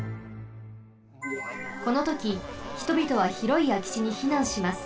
このとき人びとはひろいあきちにひなんします。